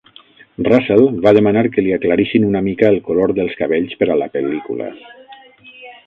Russell va demanar que li aclarissin una mica el color dels cabells per a la pel·lícula.